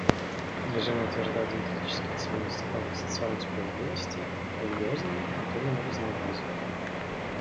Движение утверждает демократические ценности в рамках социальной справедливости, религиозного и культурного разнообразия.